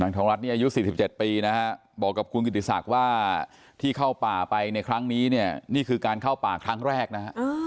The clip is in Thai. ทองรัฐนี่อายุ๔๗ปีนะฮะบอกกับคุณกิติศักดิ์ว่าที่เข้าป่าไปในครั้งนี้เนี่ยนี่คือการเข้าป่าครั้งแรกนะฮะ